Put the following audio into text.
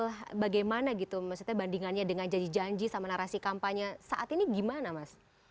nah bagaimana gitu maksudnya bandingannya dengan janji janji sama narasi kampanye saat ini gimana mas